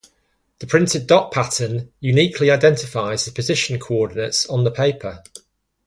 The printed dot pattern uniquely identifies the position coordinates on the paper.